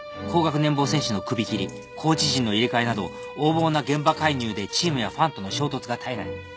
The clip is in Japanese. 高額年俸選手の首切りコーチ陣の入れ替えなど横暴な現場介入でチームやファンとの衝突が絶えない。